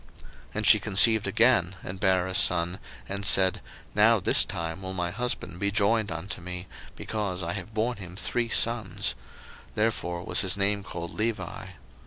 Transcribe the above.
01:029:034 And she conceived again, and bare a son; and said, Now this time will my husband be joined unto me, because I have born him three sons: therefore was his name called Levi.